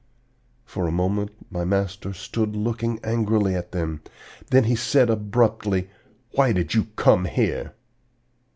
For a moment my master stood looking angrily at them. Then he said abruptly, 'Why did you come here?'